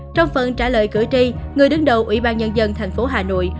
trong phần trả lời cử tri người đứng đầu ủy ban nhân dân tp hà nội